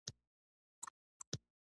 که یو څوک درته اړتیا لري مصروفیت پلمه مه کوئ.